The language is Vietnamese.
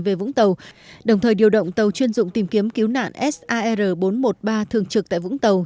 về vũng tàu đồng thời điều động tàu chuyên dụng tìm kiếm cứu nạn sar bốn trăm một mươi ba thường trực tại vũng tàu